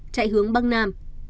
chạy hướng bắc nam